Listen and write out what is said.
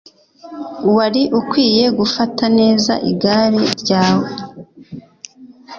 Wari ukwiye gufata neza igare ryawe.